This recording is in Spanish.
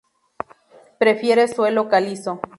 Prefiere suelo calizo.